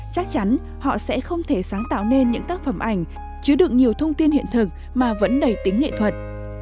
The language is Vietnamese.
chắc chắn họ sẽ không thể sáng tạo nên những tác phẩm ảnh chứa được nhiều thông tin hiện thực mà vẫn đầy tính nghệ thuật